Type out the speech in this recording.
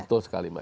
betul sekali mbak